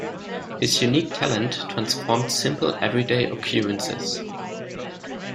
His unique talent transformed simple everyday occurrences.